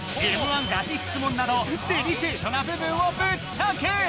Ｍ−１ガチ質問などデリケートな部分をぶっちゃけ！